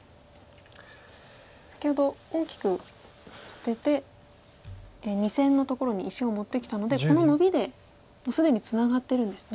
先ほど大きく捨てて２線のところに石を持ってきたのでこのノビでもう既にツナがってるんですね。